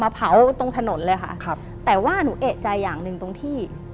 เผาตรงถนนเลยค่ะครับแต่ว่าหนูเอกใจอย่างหนึ่งตรงที่